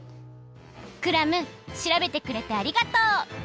クラムしらべてくれてありがとう！